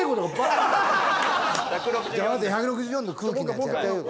じゃあまず１６４の空気のやつやってやるよ